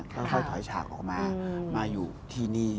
ค่อยถอยฉากออกมามาอยู่ที่นี่